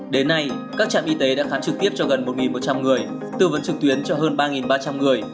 đến nay các trạm y tế đã khám trực tiếp cho gần một một trăm linh người tư vấn trực tuyến cho hơn ba ba trăm linh người